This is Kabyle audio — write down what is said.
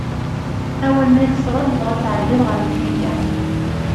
Awal ma yexṣer-d, dɣa ad tɛeddiḍ ɣer lfinga.